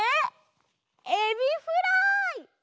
エビフライ！